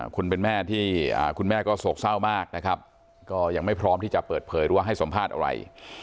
คุณแม่ที่คุณแม่ก็โศกเศร้ามากนะครับก็ยังไม่พร้อมที่จะเปิดเผยหรือว่าให้สัมภาษณ์อะไร